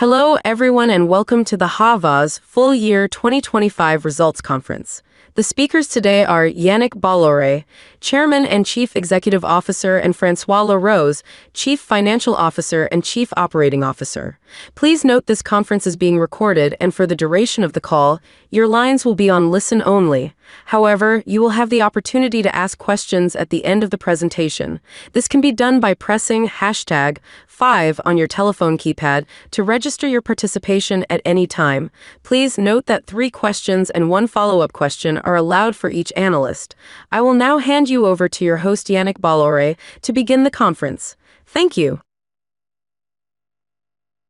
Hello everyone, and welcome to the Havas Full Year 2025 Results Conference. The speakers today are Yannick Bolloré, Chairman and Chief Executive Officer, and François Laroze, Chief Financial Officer and Chief Operating Officer. Please note this conference is being recorded and for the duration of the call, your lines will be on listen-only. However, you will have the opportunity to ask questions at the end of the presentation. This can be done by pressing hashtag five on your telephone keypad to register your participation at any time. Please note that three questions and one follow-up question are allowed for each analyst. I will now hand you over to your host, Yannick Bolloré, to begin the conference. Thank you.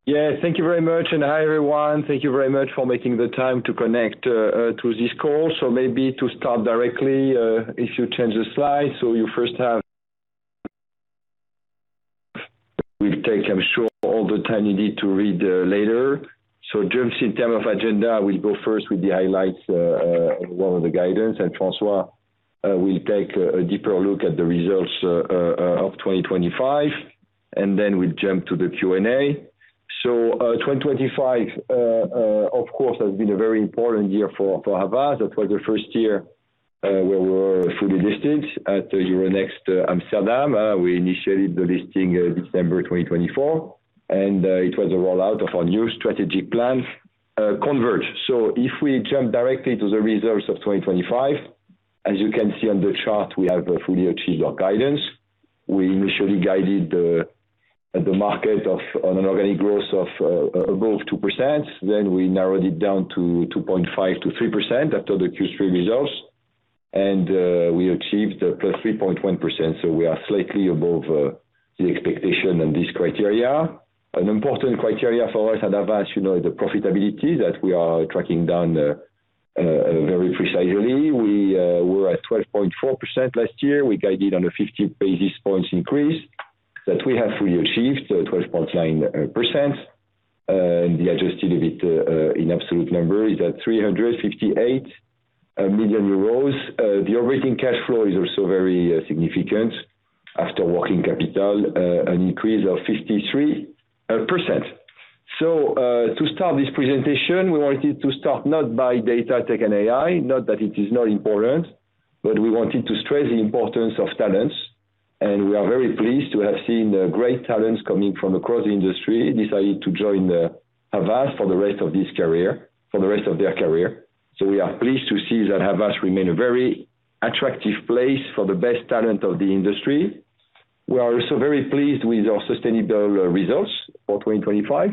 Yeah, thank you very much, and hi, everyone. Thank you very much for making the time to connect to this call. So maybe to start directly, if you change the slide. So you first have, we'll take, I'm sure, all the time you need to read later. So just in terms of agenda, we'll go first with the highlights on one of the guidance, and François will take a deeper look at the results of 2025, and then we'll jump to the Q&A. So, 2025, of course, has been a very important year for Havas. That was the first year where we were fully listed at the Euronext Amsterdam. We initiated the listing December 2024, and it was a rollout of our new strategic plan, Converged. So if we jump directly to the results of 2025, as you can see on the chart, we have fully achieved our guidance. We initially guided the market on an organic growth of above 2%. Then we narrowed it down to 2.5%-3% after the Q3 results, and we achieved a +3.1%, so we are slightly above the expectation on this criteria. An important criteria for us at Havas, you know, is the profitability that we are tracking down very precisely. We were at 12.4% last year. We guided on a 50 basis points increase that we have fully achieved, so 12.9%. And the adjusted EBIT in absolute number is at 358 million euros. The operating cash flow is also very significant after working capital, an increase of 53%. So, to start this presentation, we wanted to start not by data tech and AI, not that it is not important, but we wanted to stress the importance of talents, and we are very pleased to have seen great talents coming from across the industry, deciding to join the Havas for the rest of this career—for the rest of their career. So we are pleased to see that Havas remain a very attractive place for the best talent of the industry. We are also very pleased with our sustainable results for 2025.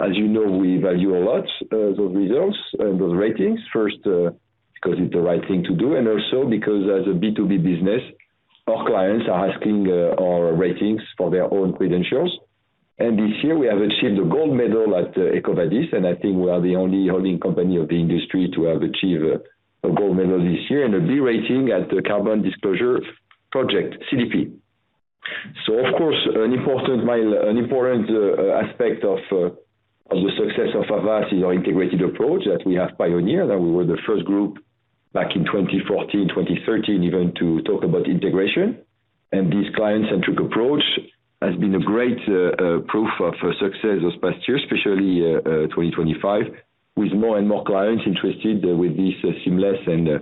As you know, we value a lot those results and those ratings. First, because it's the right thing to do, and also because as a B2B business, our clients are asking our ratings for their own credentials. And this year, we have achieved a gold medal at the EcoVadis, and I think we are the only holding company of the industry to have achieved a gold medal this year, and a B rating at the Carbon Disclosure Project, CDP. So of course, an important aspect of the success of Havas is our integrated approach that we have pioneered, that we were the first group back in 2014, 2013, even to talk about integration. This client-centric approach has been a great proof of success this past year, especially 2025, with more and more clients interested with this seamless and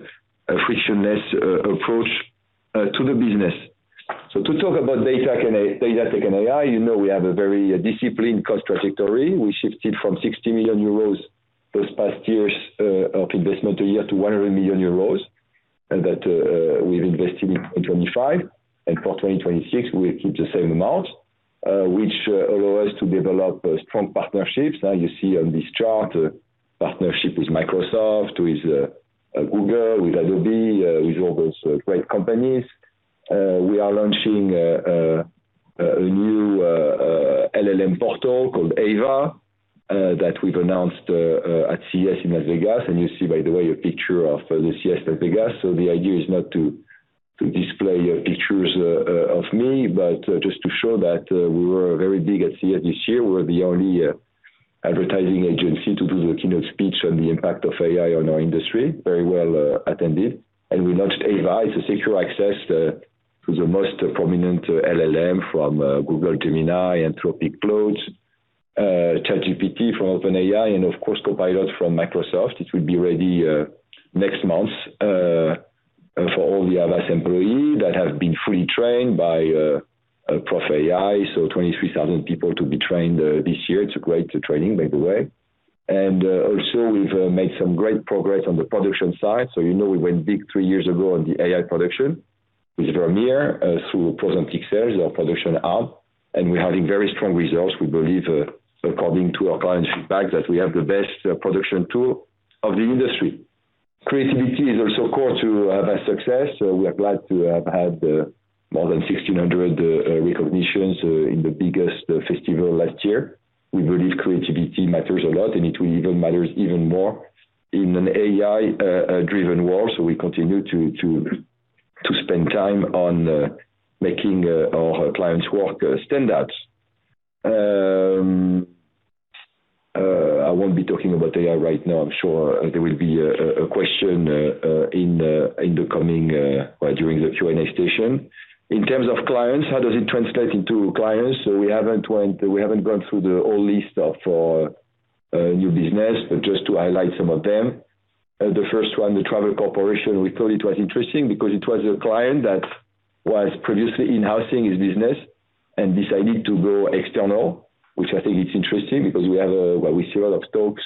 frictionless approach to the business. So to talk about data and data tech, and AI, you know, we have a very disciplined cost trajectory. We shifted from 60 million euros this past year's of investment a year to 100 million euros, and that we've invested in 2025. And for 2026, we keep the same amount, which allow us to develop strong partnerships. Now, you see on this chart, a partnership with Microsoft, with Google, with Adobe, with all those great companies. We are launching a new LLM portal called AVA that we've announced at CES in Las Vegas. And you see, by the way, a picture of the CES, Las Vegas. So the idea is not to display pictures of me, but just to show that we were very big at CES this year. We're the only advertising agency to do the keynote speech on the impact of AI on our industry. Very well attended. And we launched AVA, it's a secure access to the most prominent LLM from Google, Gemini, Anthropic's Claude, ChatGPT from OpenAI, and of course, Copilot from Microsoft. It will be ready next month for all the Havas employee that have been fully trained by ProfAI. So 23,000 people to be trained this year. It's a great training, by the way. And also, we've made some great progress on the production side. So, you know, we went big 3 years ago on the AI production with Vermeer through Prose on Pixels, our production hub, and we're having very strong results. We believe, according to our client feedback, that we have the best production tool of the industry. Creativity is also core to Havas success, so we are glad to have had more than 1,600 recognitions in the biggest festival last year. We believe creativity matters a lot, and it will even matters even more in an AI driven world. So we continue to spend time on making our clients' work stand out. I won't be talking about AI right now. I'm sure there will be a question in the coming during the Q&A session. In terms of clients, how does it translate into clients? So we haven't went-- we haven't gone through the whole list of new business, but just to highlight some of them. The first one, The Travel Corporation, we thought it was interesting because it was a client that was previously in-housing his business and decided to go external. Which I think it's interesting because we have a, well, we see a lot of talks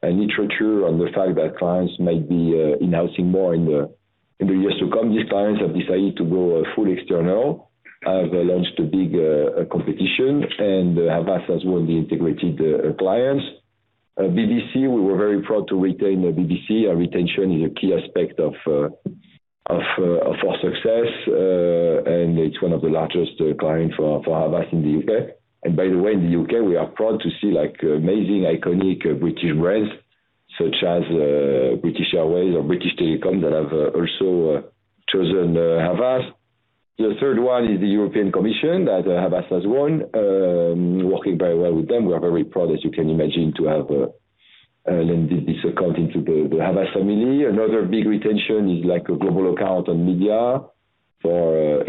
and literature on the fact that clients might be in-housing more in the years to come. These clients have decided to go full external, they launched a big competition, and Havas as well, the integrated clients. BBC, we were very proud to retain the BBC. Our retention is a key aspect of our success, and it's one of the largest client for Havas in the UK. And by the way, in the UK, we are proud to see, like, amazing, iconic British brands such as British Airways or British Telecom, that have also chosen Havas. The third one is the European Commission, that Havas has won, working very well with them. We are very proud, as you can imagine, to have land this account into the Havas family. Another big retention is like a global account on media for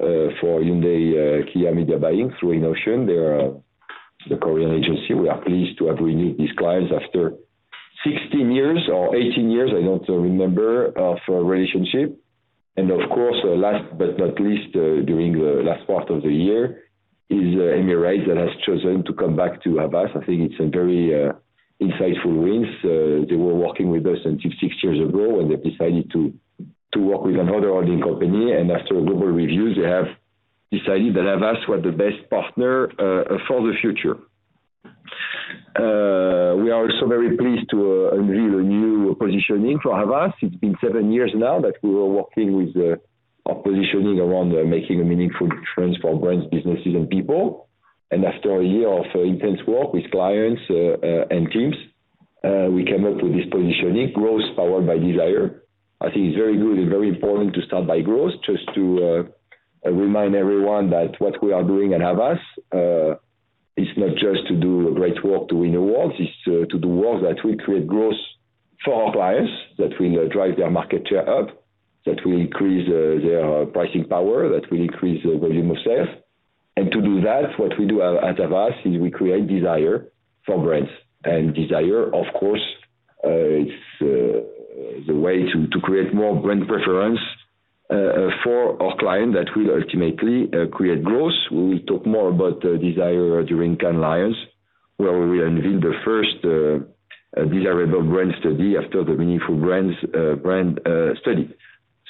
INNOCEAN, for Hyundai, Kia media buying through INNOCEAN. They are the Korean agency. We are pleased to have renewed these clients after 16 years or 18 years, I don't remember, for a relationship. Of course, last but not least, during the last part of the year is Emirates that has chosen to come back to Havas. I think it's a very insightful win. They were working with us until 6 years ago, and they decided to work with another agency, and after a global review, they have decided that Havas were the best partner for the future. We are also very pleased to unveil a new positioning for Havas. It's been 7 years now that we were working with the positioning around making a meaningful transformation to brands, businesses, and people. After a year of intense work with clients and teams, we came up with this positioning, growth powered by desire. I think it's very good and very important to start by growth, just to remind everyone that what we are doing at Havas is not just to do great work to win awards, it's to do work that will create growth for our clients, that will drive their market share up, that will increase their pricing power, that will increase the volume of sales. And to do that, what we do at Havas is we create desire for brands. And desire, of course, it's the way to create more brand preference for our client that will ultimately create growth. We will talk more about desire during Cannes Lions, where we unveil the first desirable brand study after the Meaningful Brands brand study.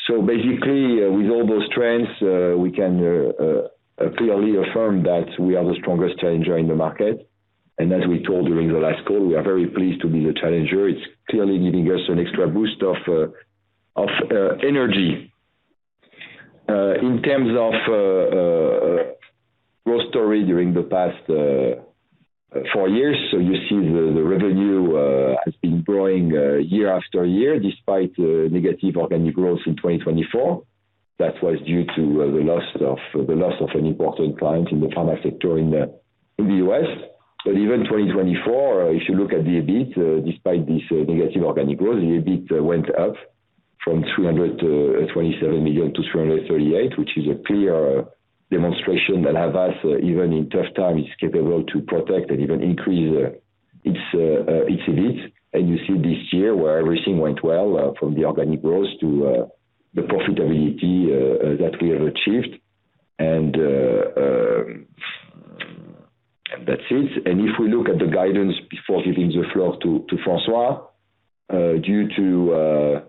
So basically, with all those trends, we can clearly affirm that we are the strongest challenger in the market. And as we told you during the last call, we are very pleased to be the challenger. It's clearly giving us an extra boost of energy. In terms of growth story during the past four years, so you see the revenue has been growing year after year, despite negative organic growth in 2024. That was due to the loss of an important client in the pharma sector in the U.S. But even 2024, if you look at the EBIT, despite this negative organic growth, the EBIT went up from 327 million to 338 million, which is a clear demonstration that Havas, even in tough time, is capable to protect and even increase its EBIT. And you see this year, where everything went well, from the organic growth to the profitability that we have achieved. And that's it. And if we look at the guidance before giving the floor to François. Due to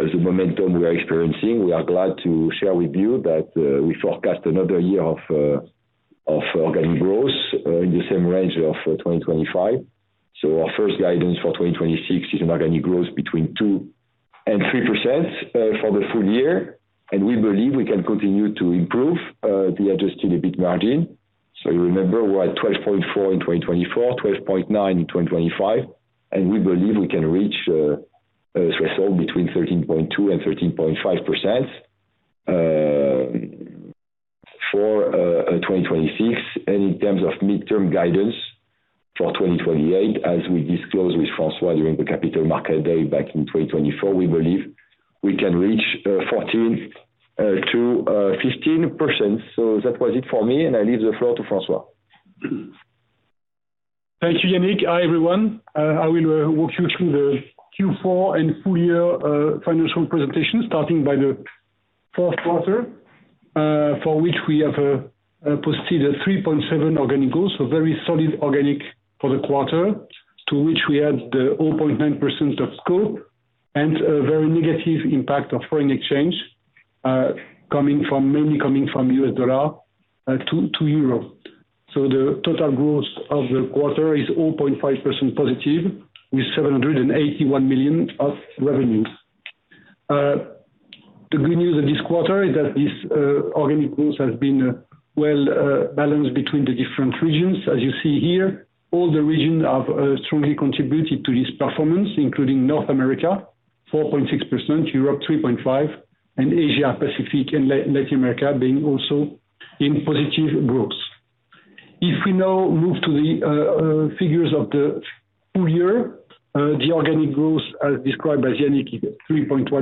the momentum we are experiencing, we are glad to share with you that we forecast another year of organic growth in the same range of 2025. So our first guidance for 2026 is an organic growth between 2% and 3%, for the full year. And we believe we can continue to improve the adjusted EBIT margin. So you remember, we're at 12.4 in 2024, 12.9 in 2025, and we believe we can reach a result between 13.2% and 13.5%, for 2026. And in terms of midterm guidance for 2028, as we disclosed with François during the capital market day back in 2024, we believe we can reach 14% to 15%. So that was it for me, and I leave the floor to François. Thank you, Yannick. Hi, everyone. I will walk you through the Q4 and full year financial presentation, starting by the fourth quarter, for which we have posted a 3.7 organic growth, so very solid organic for the quarter, to which we had the 0.9% of scope and a very negative impact of foreign exchange, coming from mainly coming from U.S. dollar to euro. So the total growth of the quarter is 0.5% positive, with 781 million of revenues. The good news of this quarter is that this organic growth has been well balanced between the different regions. As you see here, all the regions have strongly contributed to this performance, including North America, 4.6%, Europe 3.5%, and Asia Pacific and Latin America being also in positive growth. If we now move to the figures of the full year, the organic growth as described by Yannick is at 3.1%.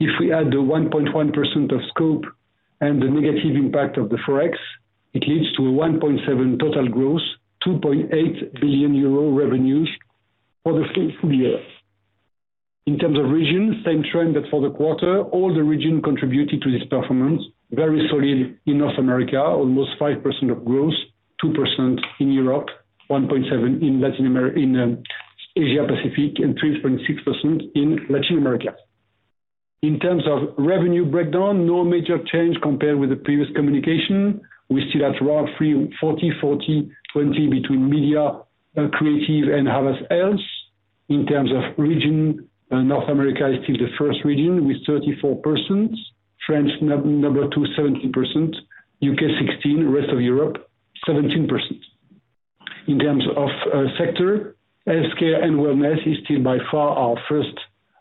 If we add the 1.1% of scope and the negative impact of the Forex, it leads to a 1.7% total growth, 2.8 billion euro revenues for the full year. In terms of region, same trend that for the quarter, all the region contributed to this performance. Very solid in North America, almost 5% of growth, 2% in Europe, 1.7% in Asia Pacific, and 3.6% in Latin America. In terms of revenue breakdown, no major change compared with the previous communication. We're still at roughly 40, 40, 20, between media, creative, and Havas Health. In terms of region, North America is still the first region with 34%. France, number two, 17%. UK, 16%, rest of Europe, 17%. In terms of sector, healthcare and wellness is still by far our first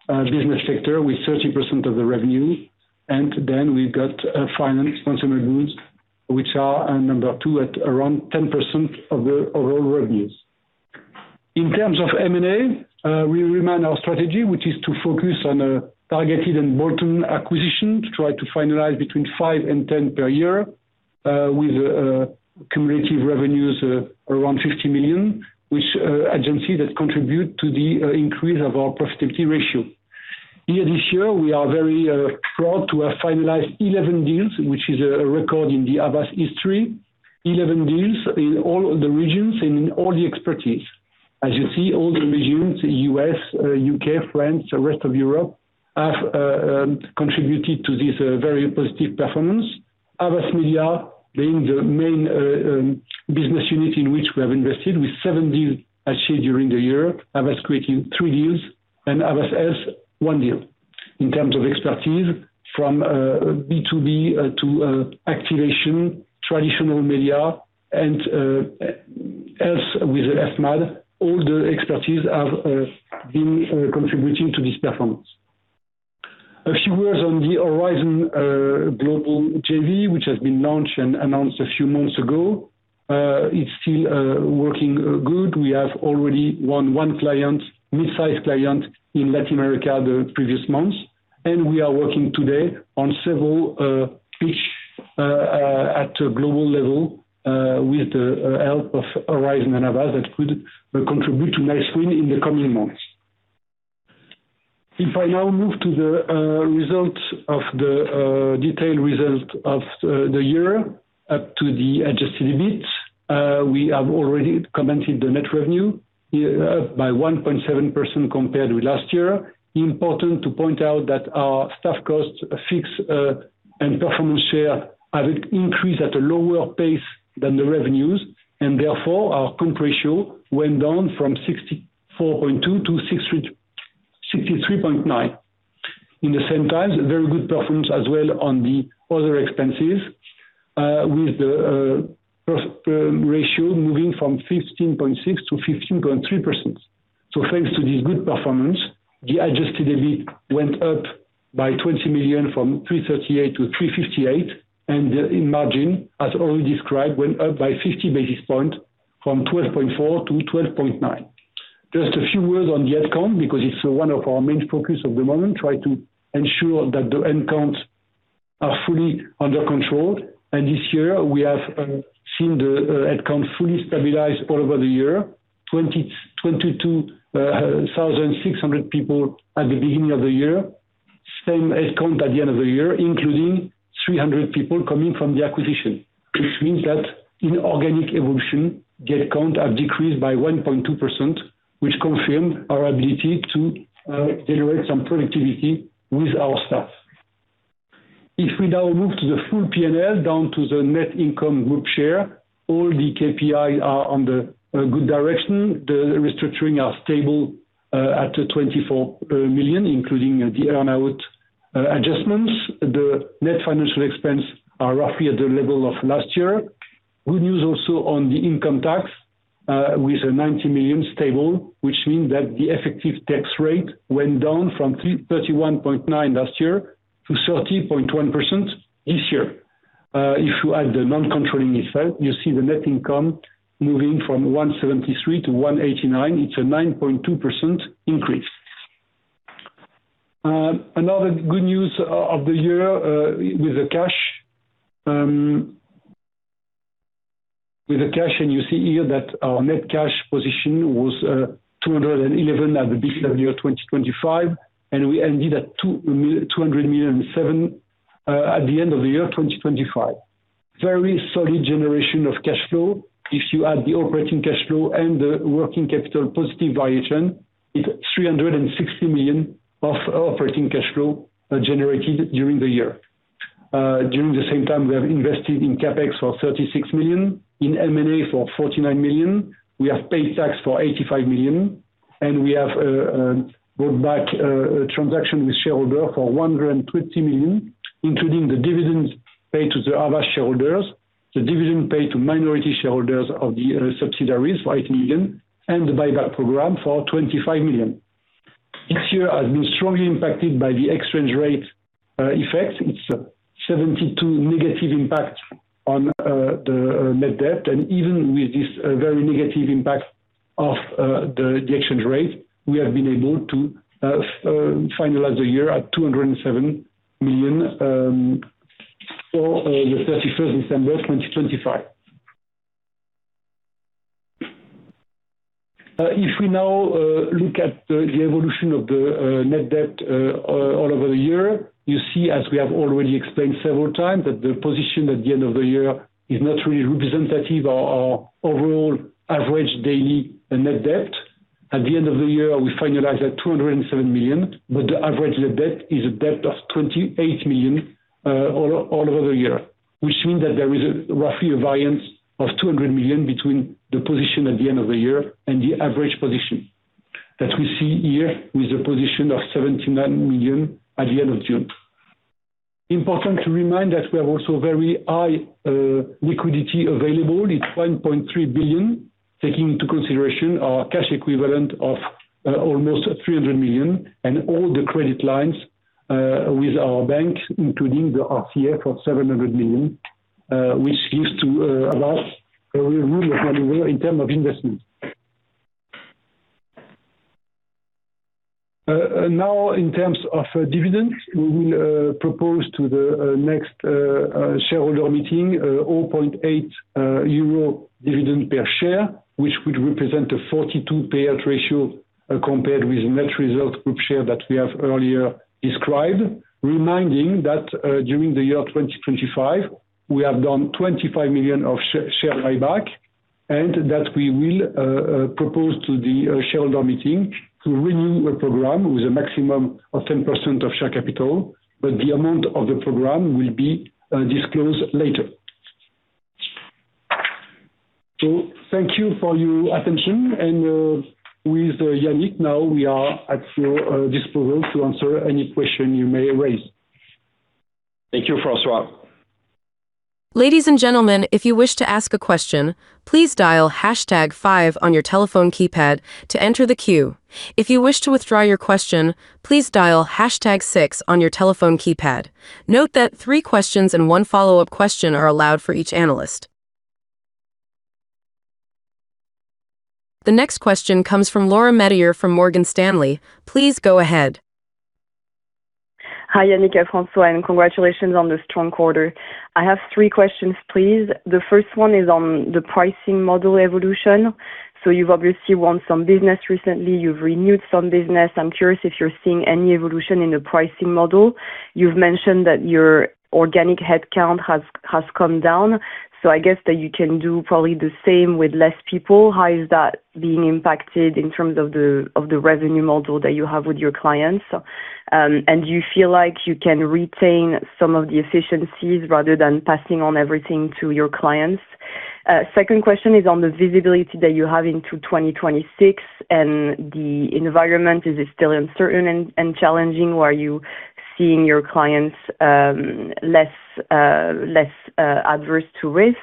business sector, with 30% of the revenue. And then we've got final consumer goods, which are at number two, at around 10% of the overall revenues. In terms of M&A, we remain our strategy, which is to focus on a targeted and bolt-on acquisition, to try to finalize between 5 and 10 per year, with cumulative revenues around 50 million, which agencies that contribute to the increase of our profitability ratio. In this year, we are very proud to have finalized 11 deals, which is a record in the Havas history. 11 deals in all of the regions and in all the expertise. As you see, all the regions, U.S., U.K., France, the rest of Europe, have contributed to this very positive performance. Havas Media being the main business unit in which we have invested, with 7 deals achieved during the year. Havas Creative 3 deals, and Havas Health, 1 deal. In terms of expertise from B2B to activation, traditional media, and else with FMAD, all the expertise have been contributing to this performance. A few words on the Horizon Global JV, which has been launched and announced a few months ago. It's still working good. We have already won one client, mid-sized client, in Latin America the previous months, and we are working today on several pitches at a global level with the help of Horizon and Havas that could contribute to nice wins in the coming months. If I now move to the results of the detailed results of the year up to the adjusted EBIT. We have already commented the net revenue by 1.7% compared with last year. Important to point out that our staff costs, fixed and performance share, have increased at a lower pace than the revenues, and therefore, our comp ratio went down from 64.2% to 63.9%. In the same time, very good performance as well on the other expenses, with the comp ratio moving from 15.6% to 15.3%. So thanks to this good performance, the adjusted EBIT went up by 20 million from 338 to 358, and the margin, as already described, went up by 50 basis points from 12.4% to 12.9%. Just a few words on the headcount, because it's one of our main focus at the moment, try to ensure that the headcounts are fully under control. This year we have seen the headcount fully stabilized all over the year. 22,600 people at the beginning of the year, same headcount at the end of the year, including 300 people coming from the acquisition. Which means that in organic evolution, the account have decreased by 1.2%, which confirm our ability to generate some productivity with our staff. If we now move to the full P&L, down to the net income group share, all the KPI are on the good direction. The restructuring are stable at 24 million, including the earn-out adjustments. The net financial expense are roughly at the level of last year. Good news also on the income tax with a 90 million stable, which means that the effective tax rate went down from 33.19% last year to 30.1% this year. If you add the non-controlling effect, you see the net income moving from 173 million to 189 million. It's a 9.2% increase. Another good news of the year with the cash, and you see here that our net cash position was 211 million at the beginning of year 2025, and we ended at 207 million at the end of the year, 2025. Very solid generation of cash flow. If you add the operating cash flow and the working capital positive variation, it's 360 million of operating cash flow generated during the year. During the same time, we have invested in CapEx for 36 million, in M&A for 49 million. We have paid tax for 85 million, and we have brought back a transaction with shareholder for 120 million, including the dividends paid to the Havas shareholders, the dividend paid to minority shareholders of the subsidiaries, 5 million, and the buyback program for 25 million. This year has been strongly impacted by the exchange rate effect. It's 72 negative impact on the net debt. And even with this very negative impact of the exchange rate, we have been able to finalize the year at 207 million for 31 December 2025. If we now look at the evolution of the net debt all over the year, you see, as we have already explained several times, that the position at the end of the year is not really representative of our overall average daily net debt. At the end of the year, we finalized at 207 million, but the average net debt is a debt of 28 million all over the year. Which means that there is roughly a variance of 200 million between the position at the end of the year and the average position. That we see here with a position of 79 million at the end of June. Important to remind that we have also very high liquidity available. It's 1.3 billion, taking into consideration our cash equivalent of almost 300 million and all the credit lines with our bank, including the RCF of 700 million, which gives to allow a real room of maneuver in terms of investment. Now, in terms of dividends, we will propose to the next shareholder meeting 0.8 euro dividend per share, which would represent a 42% payout ratio compared with net result group share that we have earlier described. Reminding that, during the year 2025, we have done 25 million of share buyback, and that we will propose to the shareholder meeting to renew the program with a maximum of 10% of share capital, but the amount of the program will be disclosed later. Thank you for your attention and, with Yannick now, we are at your disposal to answer any question you may raise. Thank you, François. Ladies and gentlemen, if you wish to ask a question, please dial hashtag five on your telephone keypad to enter the queue. If you wish to withdraw your question, please dial hashtag six on your telephone keypad. Note that three questions and one follow-up question are allowed for each analyst. The next question comes from Laura Metayer from Morgan Stanley. Please go ahead. Hi, Yannick and François, and congratulations on the strong quarter. I have three questions, please. The first one is on the pricing model evolution. So you've obviously won some business recently, you've renewed some business. I'm curious if you're seeing any evolution in the pricing model. You've mentioned that your organic headcount has come down, so I guess that you can do probably the same with less people. How is that being impacted in terms of the revenue model that you have with your clients? And do you feel like you can retain some of the efficiencies rather than passing on everything to your clients? Second question is on the visibility that you have into 2026, and the environment, is it still uncertain and challenging, or are you seeing your clients less adverse to risk?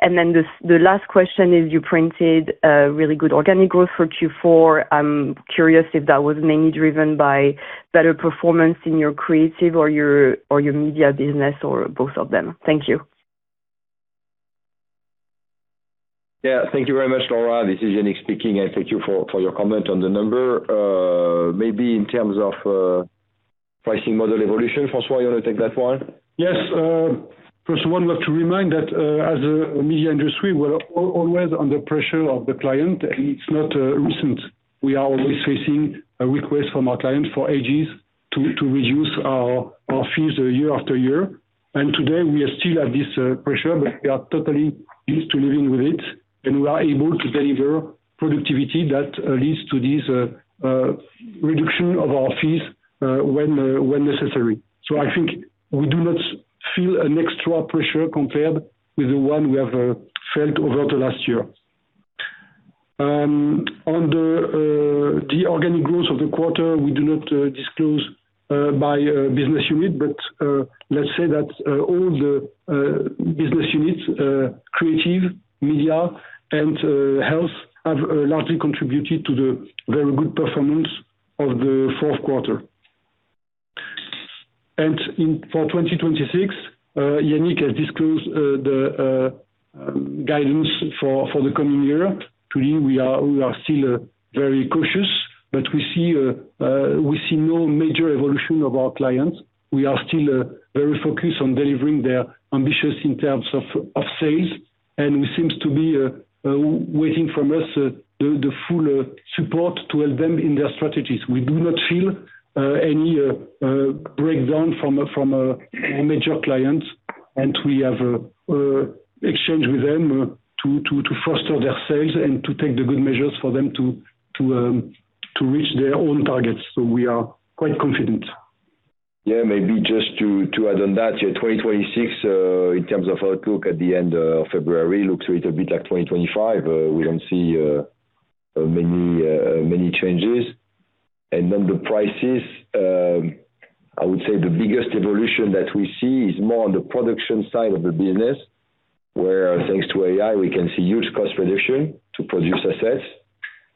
And then the last question is, you printed a really good organic growth for Q4. I'm curious if that was mainly driven by better performance in your creative or your, or your media business, or both of them. Thank you. Yeah, thank you very much, Laura. This is Yannick speaking, and thank you for your comment on the number. Maybe in terms of pricing model evolution, François, you want to take that one? Yes. First of all, we have to remind that, as a media industry, we're always under pressure of the client, and it's not recent. We are always facing a request from our client for ages to reduce our fees year after year. And today, we are still at this pressure, but we are totally used to living with it, and we are able to deliver productivity that leads to this reduction of our fees, when necessary. So I think we do not feel an extra pressure compared with the one we have felt over the last year. On the organic growth of the quarter, we do not disclose by business unit, but let's say that all the business units, creative, media and health, have largely contributed to the very good performance of the fourth quarter. And for 2026, Yannick has disclosed the guidance for the coming year. Today, we are still very cautious, but we see no major evolution of our clients. We are still very focused on delivering their ambitions in terms of sales, and we seems to be waiting from us the full support to help them in their strategies. We do not feel any breakdown from a major clients, and we have exchanged with them to foster their sales and to take the good measures for them to reach their own targets. So we are quite confident. Yeah, maybe just to add on that, yeah, 2026, in terms of outlook at the end of February, looks a little bit like 2025. We don't see many changes. And then the prices, I would say the biggest evolution that we see is more on the production side of the business, where thanks to AI, we can see huge cost reduction to produce assets,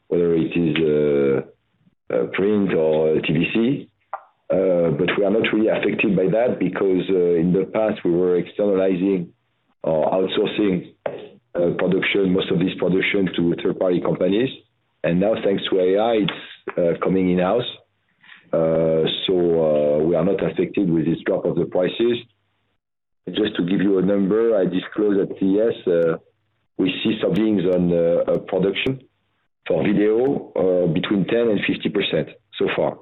whether it is print or TVC. But we are not really affected by that because in the past, we were externalizing or outsourcing production, most of this production to third-party companies. And now, thanks to AI, it's coming in-house. So we are not affected with this drop of the prices. Just to give you a number, I disclosed at CES we see savings on production for video between 10% and 50% so far.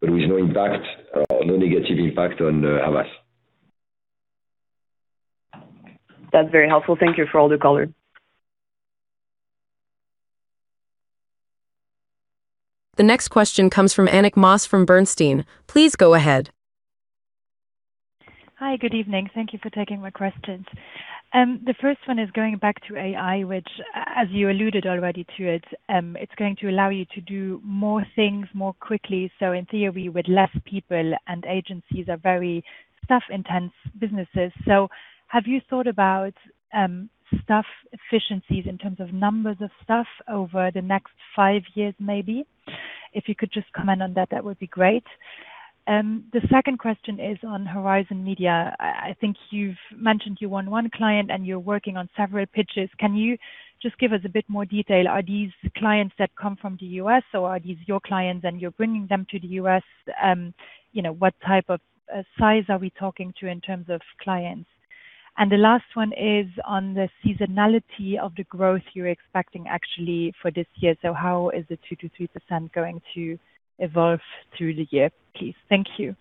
But with no impact, no negative impact on us. That's very helpful. Thank you for all the color. The next question comes from Annick Maas from Bernstein. Please go ahead. Hi, good evening. Thank you for taking my questions. The first one is going back to AI, which, as you alluded already to it, it's going to allow you to do more things more quickly, so in theory, with less people, and agencies are very staff-intensive businesses. So have you thought about staff efficiencies in terms of numbers of staff over the next five years, maybe? If you could just comment on that, that would be great. The second question is on Horizon Media. I think you've mentioned you won one client, and you're working on several pitches. Can you just give us a bit more detail? Are these clients that come from the U.S., or are these your clients and you're bringing them to the U.S.? You know, what type of size are we talking to in terms of clients? The last one is on the seasonality of the growth you're expecting actually for this year. So how is the 2%-3% going to evolve through the year, please? Thank you.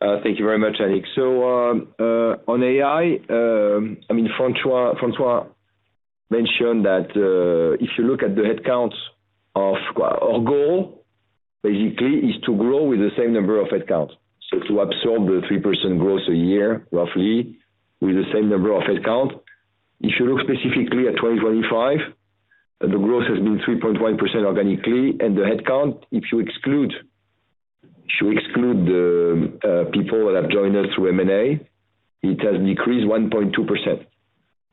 Thank you very much, Annick. So, on AI, I mean, François mentioned that if you look at the headcounts of our. Our goal basically is to grow with the same number of headcounts. So to absorb the 3% growth a year, roughly, with the same number of headcounts. If you look specifically at 2025, the growth has been 3.1% organically, and the headcount, if you exclude the people that have joined us through M&A, it has decreased 1.2%,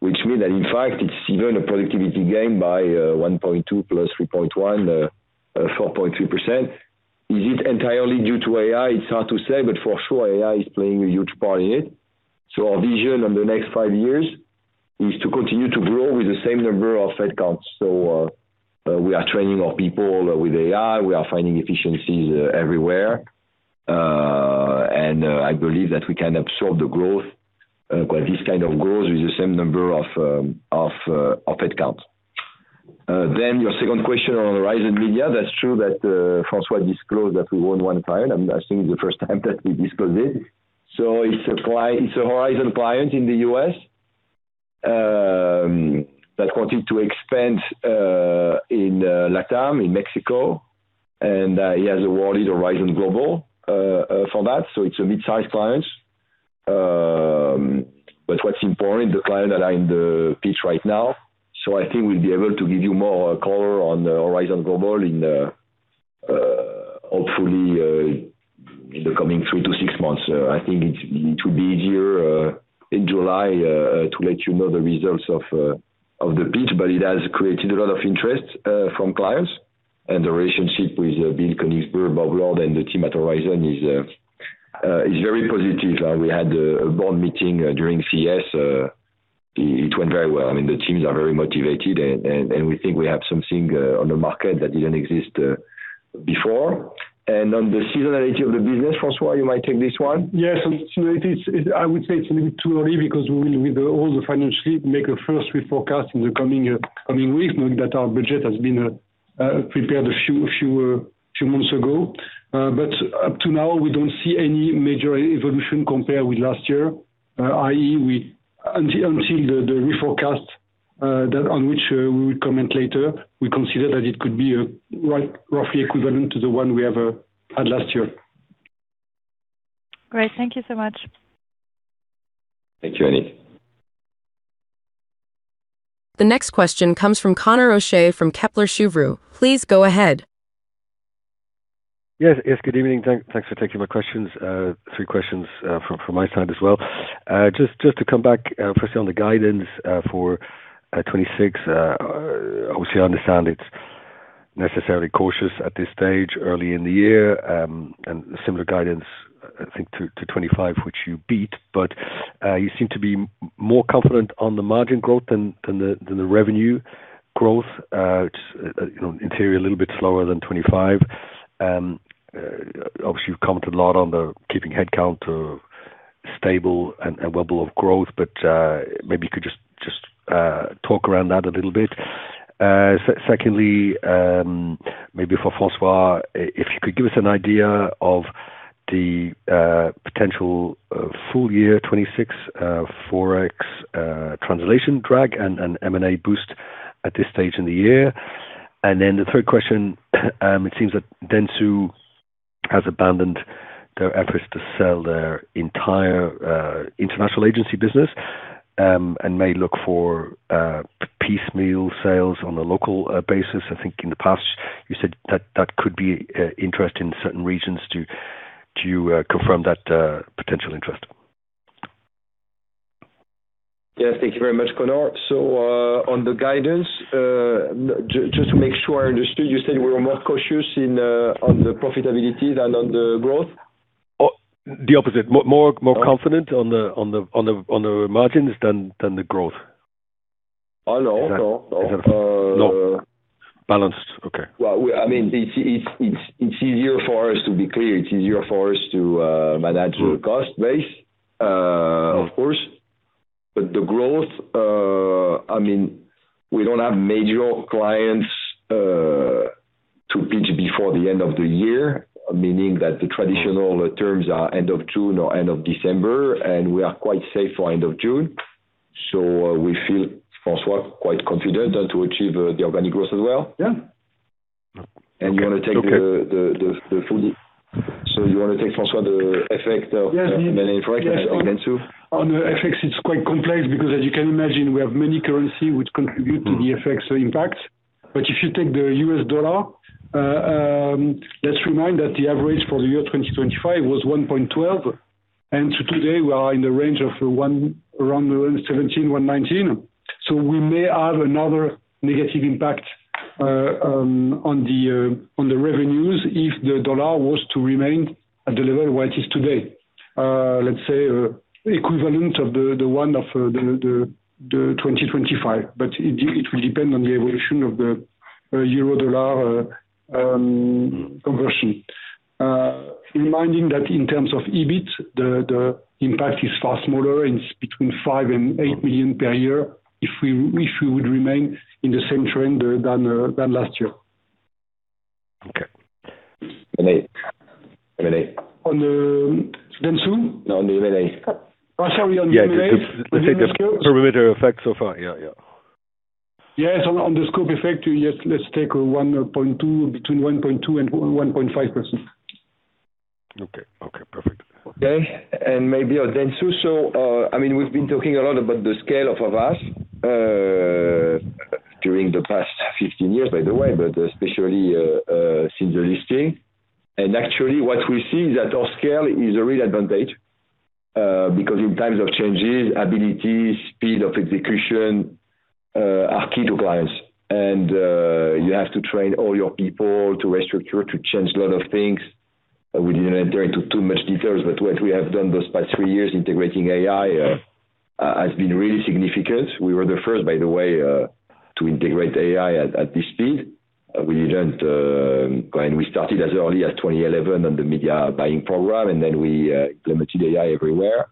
which means that in fact, it's even a productivity gain by 1.2 + 3.1, 4.3%. Is it entirely due to AI? It's hard to say, but for sure, AI is playing a huge part in it. So our vision on the next five years is to continue to grow with the same number of headcounts. So, we are training our people with AI, we are finding efficiencies everywhere. And, I believe that we can absorb the growth, quite this kind of growth, with the same number of headcounts. Then your second question on Horizon Media, that's true that, François disclosed that we won one client, and I think it's the first time that we disclosed it. So it's a client, it's a Horizon client in the U.S., that wanted to expand, in, Latam, in Mexico, and, he has awarded Horizon Global, for that. So it's a mid-sized client. But what's important, the clients that are in the pitch right now, so I think we'll be able to give you more color on the Horizon Global in, hopefully, in the coming 3-6 months. I think it will be here in July to let you know the results of the pitch, but it has created a lot of interest from clients. And the relationship with Bill Koenigsberg, Bob Lord, and the team at Horizon is very positive. We had a board meeting during CES; it went very well. I mean, the teams are very motivated, and we think we have something on the market that didn't exist before. And on the seasonality of the business, François, you might take this one. Yes, it is. I would say it's a little bit too early because we, with all the financial team, make a first reforecast in the coming week, knowing that our budget has been prepared a few months ago. But up to now, we don't see any major evolution compared with last year. i.e., until the reforecast that on which we will comment later, we consider that it could be right, roughly equivalent to the one we had last year. Great. Thank you so much. Thank you, Annick. The next question comes from Conor O'Shea from Kepler Cheuvreux. Please go ahead. Yes, yes, good evening. Thanks for taking my questions. 3 questions from my side as well. Just to come back, first on the guidance for 2026. Obviously, I understand it's necessarily cautious at this stage, early in the year, and similar guidance, I think, to 2025, which you beat, but you seem to be more confident on the margin growth than the revenue growth. It's, you know, in theory, a little bit slower than 2025. Obviously, you've commented a lot on keeping headcount stable and level of growth, but maybe you could just talk around that a little bit. Secondly, maybe for François, if you could give us an idea of the potential full year 2026 Forex translation drag and M&A boost at this stage in the year. And then the third question, it seems that Dentsu has abandoned their efforts to sell their entire international agency business. And may look for piecemeal sales on a local basis. I think in the past you said that that could be interest in certain regions to confirm that potential interest. Yes, thank you very much, Conor. So, on the guidance, just to make sure I understood, you said we were more cautious in on the profitability than on the growth? Oh, the opposite. More confident on the margins than the growth. Oh, no. No, no. No. Balanced. Okay. Well, I mean, it's easier for us to be clear. It's easier for us to manage the cost base, of course. But the growth, I mean, we don't have major clients to pitch before the end of the year, meaning that the traditional terms are end of June or end of December, and we are quite safe for end of June. So, we feel, François, quite confident and to achieve the organic growth as well. Yeah. And you want to take... So you want to take, François, the effect of M&A effect on Dentsu? On the FX, it's quite complex because as you can imagine, we have many currency which contribute to the FX impact. But if you take the US dollar, let's remind that the average for the year 2025 was 1.12, and today we are in the range of 1, around 1.17, 1.19. So we may have another negative impact on the revenues if the dollar was to remain at the level where it is today. Let's say equivalent of the one of the 2025, but it will depend on the evolution of the euro-dollar conversion. reminding that in terms of EBIT, the impact is far smaller, it's between 5 million and 8 million per year, if we would remain in the same trend, than last year. Okay. M&A. M&A. On the Dentsu? No, on the M&A. Oh, sorry, on M&A? Yeah. Let's say the perimeter effect so far. Yeah, yeah. Yes, on the scope effect, yes, let's take 1.2, between 1.2% and 1.5%. Okay. Okay, perfect. Okay, and maybe on Dentsu. So, I mean, we've been talking a lot about the scale of Havas during the past 15 years, by the way, but especially since the listing. Actually, what we see is that our scale is a real advantage because in times of changes, abilities, speed of execution are key to clients. You have to train all your people to restructure, to change a lot of things. We didn't enter into too much details, but what we have done this past three years, integrating AI, has been really significant. We were the first, by the way, to integrate AI at this speed. When we started as early as 2011 on the media buying program, and then we implemented AI everywhere.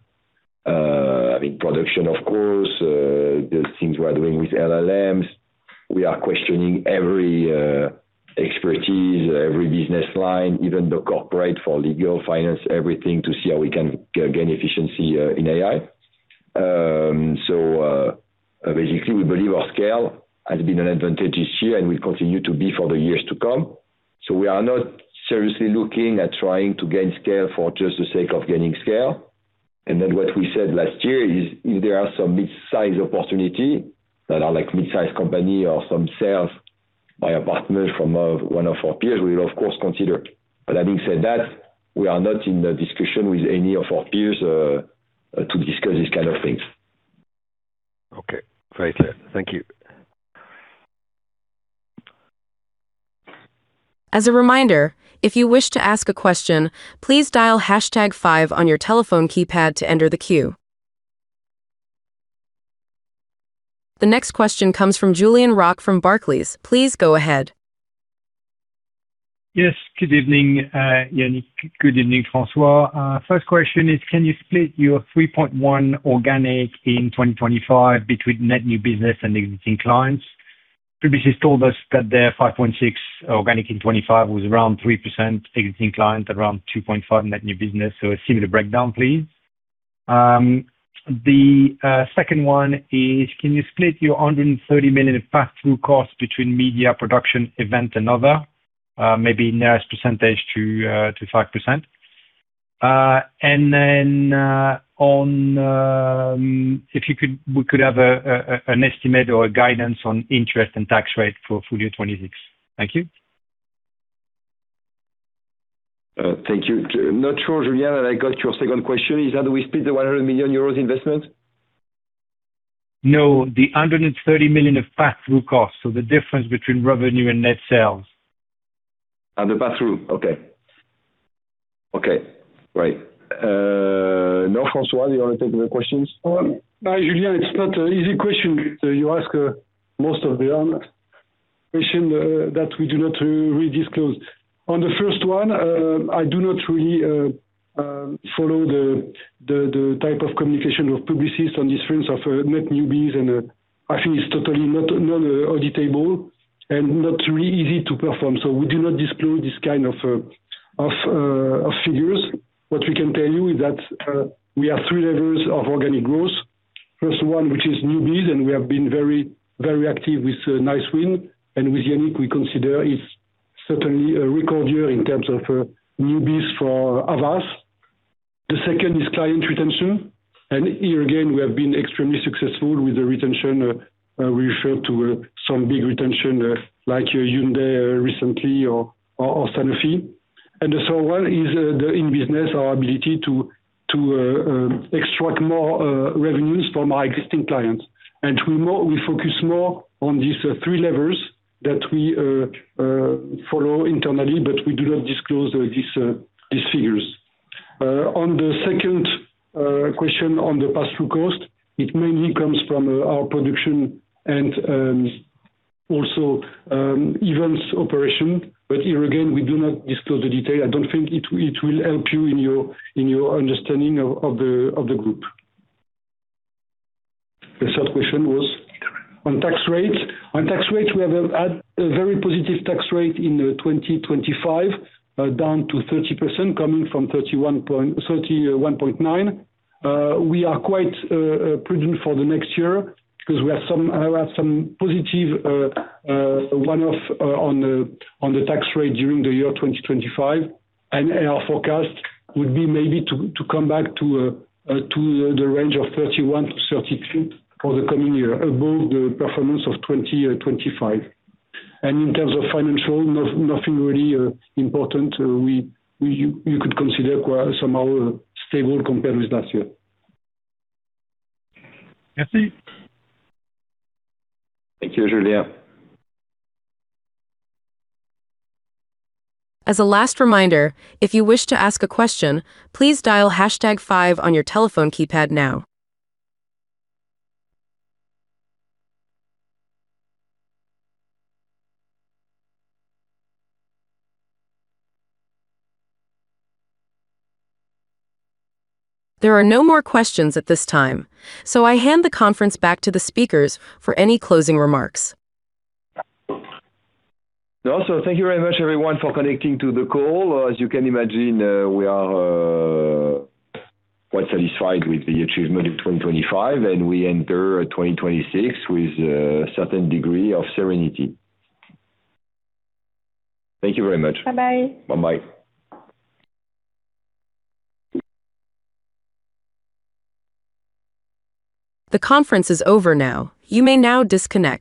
I mean, production, of course, the things we are doing with LLMs. We are questioning every, expertise, every business line, even the corporate for legal, finance, everything, to see how we can gain efficiency, in AI. So, basically, we believe our scale has been an advantage this year and will continue to be for the years to come. So we are not seriously looking at trying to gain scale for just the sake of gaining scale. And then what we said last year is, if there are some mid-sized opportunity that are like mid-sized company or some sales by a partner from, one of our peers, we will of course consider. But having said that, we are not in a discussion with any of our peers, to discuss these kind of things. Okay. Very clear. Thank you. As a reminder, if you wish to ask a question, please dial hashtag five on your telephone keypad to enter the queue. The next question comes from Julien Roch from Barclays. Please go ahead. Yes, good evening, Yannick, good evening, François. First question is, can you split your 3.1 organic in 2025 between net new business and existing clients? Publicis told us that their 5.6 organic in 2025 was around 3% existing clients, around 2.5 net new business. So a similar breakdown, please. The second one is, can you split your 130 million pass-through costs between media, production, event, and other, maybe nearest percentage to 5%? And then, on, if you could we could have a, an estimate or a guidance on interest and tax rate for full year 2026. Thank you. Thank you. Not sure, Julien, I got your second question. Is how do we split the 100 million euros investment? No, the 130 million of pass-through costs, so the difference between revenue and net sales. Ah, the pass-through. Okay. Okay, great. Now, François, you want to take the questions? Julian, it's not an easy question. You ask most of the questions that we do not re-disclose. On the first one, I do not really follow the type of communication of Publicis on the strength of net new business, and I think it's totally not auditable and not really easy to perform. So we do not disclose this kind of figures. What we can tell you is that we have three levels of organic growth. First one, which is new business, and we have been very, very active with nice wins. And with Yannick, we consider it's certainly a record year in terms of new business for Havas. The second is client retention, and here again, we have been extremely successful with the retention. We referred to some big retention like Hyundai recently or Sanofi. And the third one is the in-business, our ability to extract more revenues from our existing clients. And we focus more on these three levels that we follow internally, but we do not disclose these figures. On the second question on the pass-through cost, it mainly comes from our production and also events operation. But here again, we do not disclose the detail. I don't think it will help you in your understanding of the group. The third question was on tax rate. On tax rate, we have had a very positive tax rate in 2025, down to 30%, coming from 31.9. We are quite prudent for the next year because we have some positive one-off on the tax rate during the year 2025. Our forecast would be maybe to come back to the range of 31-32 for the coming year, above the performance of 2025. In terms of financial, nothing really important. You could consider somehow stable compared with last year. Merci. Thank you, Julien. As a last reminder, if you wish to ask a question, please dial hashtag five on your telephone keypad now. There are no more questions at this time, so I hand the conference back to the speakers for any closing remarks. Also, thank you very much, everyone, for connecting to the call. As you can imagine, we are quite satisfied with the achievement of 2025, and we enter 2026 with a certain degree of serenity. Thank you very much. Bye-bye. Bye-bye. The conference is over now. You may now disconnect.